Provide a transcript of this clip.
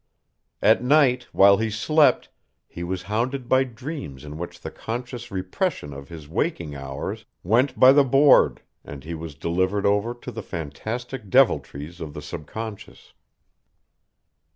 At night while he slept, he was hounded by dreams in which the conscious repression of his waking hours went by the board and he was delivered over to the fantastic deviltries of the subconscious.